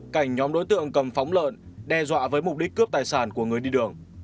cảnh nhóm đối tượng cầm phóng lợn đe dọa với mục đích cướp tài sản của người đi đường